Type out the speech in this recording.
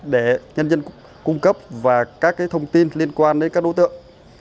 để nhân dân cung cấp và các thông tin liên quan đến các đối tượng